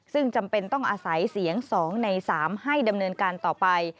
ซึ่งจำเป็นต้องอาศัยเสียง๒ใน๓ให้ดำเนินการต่อไป